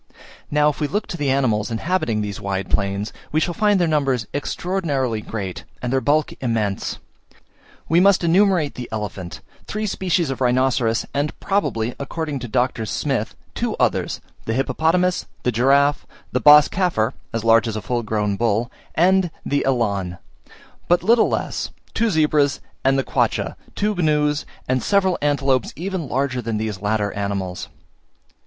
Now, if we look to the animals inhabiting these wide plains, we shall find their numbers extraordinarily great, and their bulk immense. We must enumerate the elephant, three species of rhinoceros, and probably, according to Dr. Smith, two others, the hippopotamus, the giraffe, the bos caffer as large as a full grown bull, and the elan but little less, two zebras, and the quaccha, two gnus, and several antelopes even larger than these latter animals.